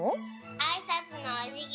あいさつのおじぎ。